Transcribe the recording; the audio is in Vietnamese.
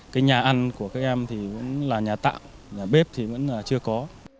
cái nhà ăn của các em thì cũng là nhà tạm nhà bếp thì cũng chưa có